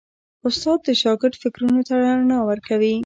استاد د شاګرد فکرونو ته رڼا ورکوي.